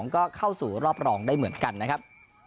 ก็เข้าสู่รอบรองได้เหมือนกันนะครับ